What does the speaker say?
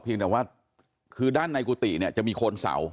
เพียงแต่ว่าคือด้านในกุฏิจะมีโคนเสา